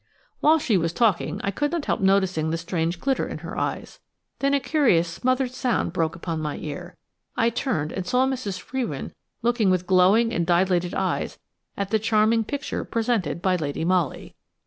While she was talking I could not help noticing the strange glitter in her eyes. Then a curious smothered sound broke upon my ear. I turned and saw Mrs. Frewin looking with glowing and dilated eyes at the charming picture presented by Lady Molly.